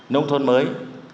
nông thôn mới